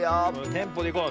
テンポでいこう。